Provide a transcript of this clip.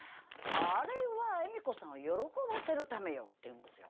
「あれは恵美子さんを喜ばせるためよ」って言うんですよ。